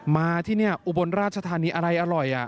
มาที่นี่อุบลราชธานีอะไรอร่อย